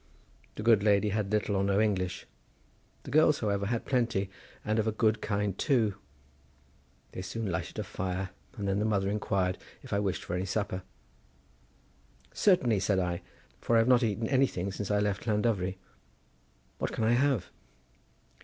The good lady had little or no English; the girls, however, had plenty, and of a good kind too. They soon lighted a fire and then the mother inquired if I wished for any supper. "Certainly," said I, "for I have not eaten anything since I left Llandovery. What can I have?"